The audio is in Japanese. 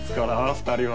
２人は。